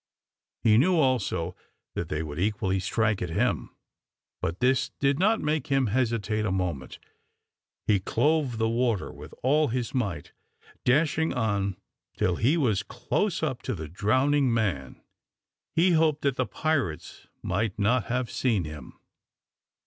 He knew also that they would equally strike at him, but this did not make him hesitate a moment. He clove the water with all his might, dashing on till he was close up to the drowning man. He hoped that the pirates might not have seen him.